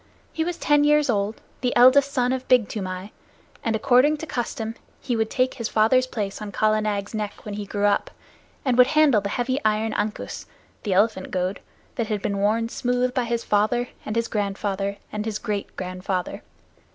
He was ten years old, the eldest son of Big Toomai, and, according to custom, he would take his father's place on Kala Nag's neck when he grew up, and would handle the heavy iron ankus, the elephant goad, that had been worn smooth by his father, and his grandfather, and his great grandfather.